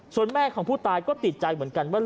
ส่วนแม่ของผู้ตายก็ติดใจเหมือนกันว่า